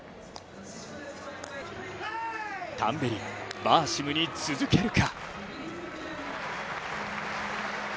タンベリ、バーシムに続けるか。